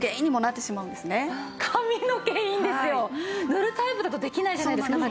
塗るタイプだとできないじゃないですか。